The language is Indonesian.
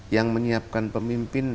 yang menyiapkan pemimpin